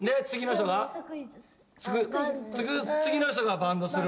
で、次の人が？バントする。